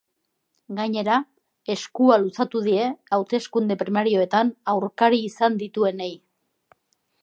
Gainera, eskua luzatu die hauteskunde primarioetan aurkari izan dituenei.